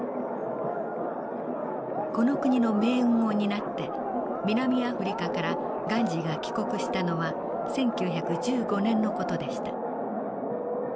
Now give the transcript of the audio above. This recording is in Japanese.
この国の命運を担って南アフリカからガンジーが帰国したのは１９１５年の事でした。